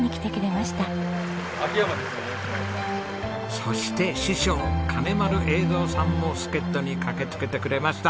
そして師匠金丸栄三さんも助っ人に駆けつけてくれました！